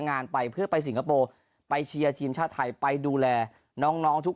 งานไปเพื่อไปสิงคโปร์ไปเชียร์ทีมชาติไทยไปดูแลน้องน้องทุก